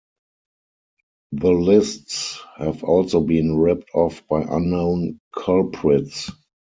The lists have also been ripped off by unknown culprits.